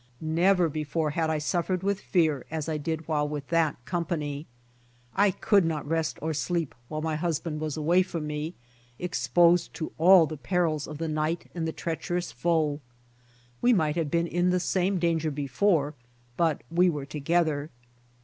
Never before had I suffered Avith fear as I did while with that company. I could not rest or sleep while my husband was away from me, exposed to all the perils of the night and the treacherous foe. We might have been in the same danger before, but we were together.